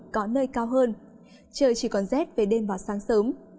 có nơi cao hơn trời chỉ còn rét về đêm vào sáng sớm